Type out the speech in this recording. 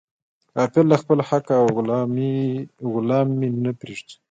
غافل له خپله حقه او غلام مې نه پریږدي.